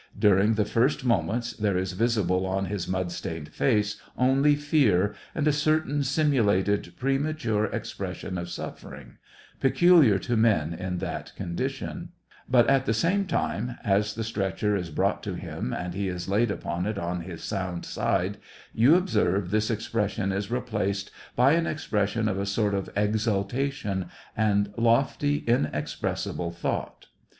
During the fir^t moments, there is visible on his mud stained face only fear and a certain simulated, premature expression of suffer ing, peculiar to men in that condition ; but, at the same time, as the stretcher is brought to him and he is laid upon it on his sound side, you observe that this expression is replaced by an expression of a sort of exaltation and lofty, inexpressible thought.